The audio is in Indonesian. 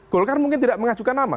golkar mungkin tidak mengajukan nama